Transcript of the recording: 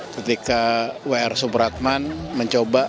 ketika w r subratman mencoba